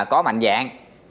có mạnh dạng